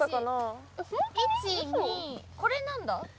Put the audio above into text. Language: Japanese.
１２これなんだ？